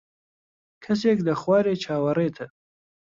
کەسێک لە خوارێ چاوەڕێتە.